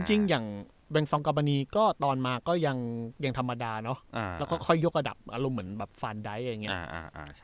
จริงอย่างแบงซองกาบานีก็ตอนมาก็ยังธรรมดาเนอะแล้วค่อยยกระดับอารมณ์เหมือนแบบฟานไดท์อย่างนี้